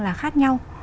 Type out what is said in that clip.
là khác nhau